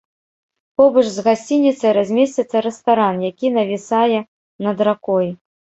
Побач з гасцініцай размесціцца рэстаран, які навісае над ракой.